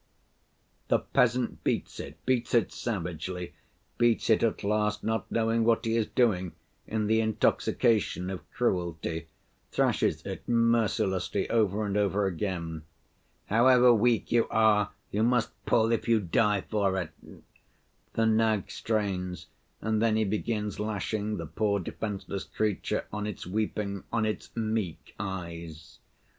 The peasant beats it, beats it savagely, beats it at last not knowing what he is doing in the intoxication of cruelty, thrashes it mercilessly over and over again. 'However weak you are, you must pull, if you die for it.' The nag strains, and then he begins lashing the poor defenseless creature on its weeping, on its 'meek eyes.